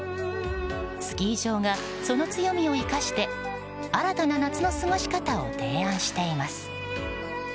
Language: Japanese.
スキー場が、その強みを生かして新たな夏の過ごし方を提案しています。